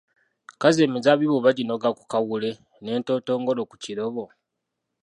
Kazzi emizabbiibu baginoga ku kawule n'entontogolo ku kirobo?